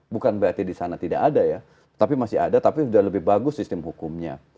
bukan berarti di sana tidak ada ya tapi masih ada tapi sudah lebih bagus sistem hukumnya